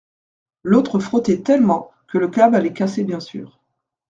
L'autre frottait tellement, que le câble allait casser bien sûr.